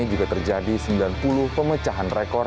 juga terjadi sembilan puluh pemecahan rekor